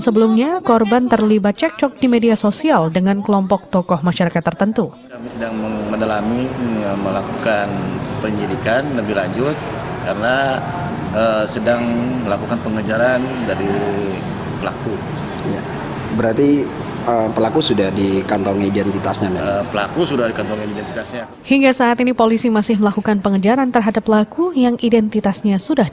sebelumnya polisi menunggu penembakan